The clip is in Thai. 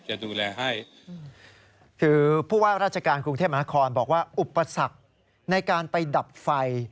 จะดูแลให้คือผู้ว่าราชการกรุงเทพมหานครบอกว่าอุปสรรคในการไปดับไฟ